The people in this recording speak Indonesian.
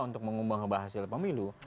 untuk mengubah hasil pemilu